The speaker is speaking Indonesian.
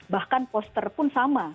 bahkan poster pun sama